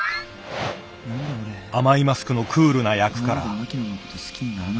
甘いマスクのクールな役から。